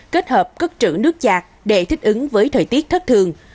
kết hợp cất trữ nước chạt để thích ứng với thời tiết thất thường